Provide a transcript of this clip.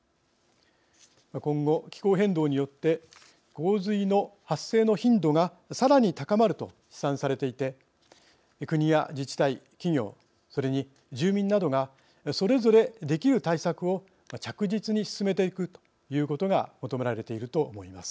今後、気候変動によって洪水の発生の頻度がさらに高まると試算されていて国や自治体、企業それに住民などがそれぞれできる対策を着実に進めていくということが求められていると思います。